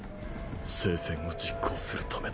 聖戦を実行するためだ。